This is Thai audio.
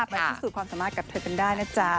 ไปที่สูดความสามารถกับเธอเป็นได้นะจ๊ะ